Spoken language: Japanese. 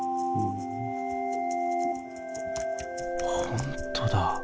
本当だ。